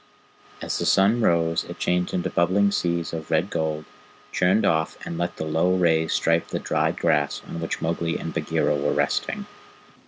As the sun rose it changed into bubbling seas of red gold, churned off, and let the low rays stripe the dried grass on which Mowgli and Bagheera were resting.